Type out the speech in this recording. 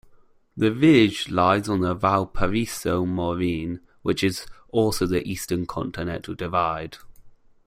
The village lies on the Valparaiso Moraine, which is also the Eastern Continental Divide.